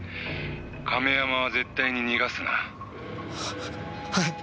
亀山は絶対に逃がすな」ははい。